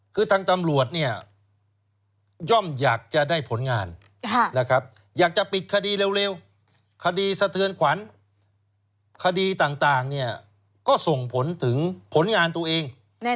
คือทางตำรวจเนี่ยย่อมอยากจะได้ผลงานอยากจะปิดคดีเร็วคดีสะเทือนขวัญคดีต่างก็ส่งผลถึงผลงานตัวเอง